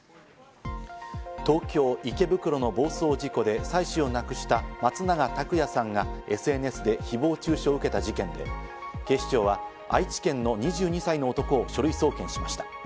東京・池袋の暴走事故で妻子を亡くした松永拓也さんがＳＮＳで誹謗中傷を受けた事件で警視庁は愛知県の２２歳の男を書類送検しました。